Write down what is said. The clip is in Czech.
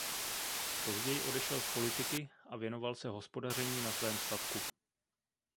Později odešel z politiky a věnoval se hospodaření na svém statku.